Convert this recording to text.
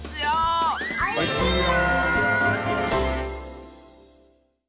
おいしいよ！